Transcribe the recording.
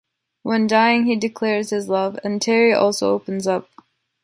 When dying, he declares his love, and Terry also opens up.